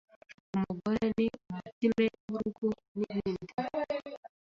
umugore ni umutime w’urugo n’ibindi.